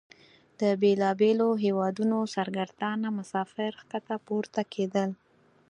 د بیلابیلو هیوادونو سرګردانه مسافر ښکته پورته کیدل.